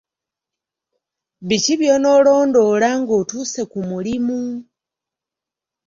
Biki by'onoolondoola ng'otuuse ku mulimu?